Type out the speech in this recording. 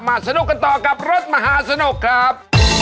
เพราะอะไรครับ